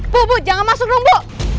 bu bu jangan masuk dong bu